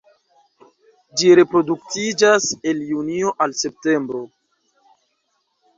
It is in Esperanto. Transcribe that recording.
Ĝi reproduktiĝas el junio al septembro.